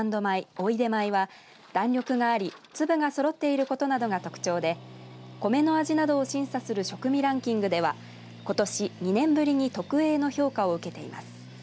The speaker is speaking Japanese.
おいでまいは弾力があり粒がそろっていることなどが特徴で米の味などを審査する食味ランキングではことし２年ぶりに特Ａの評価を受けています。